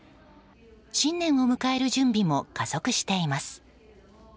新年を迎える準備も加速しています。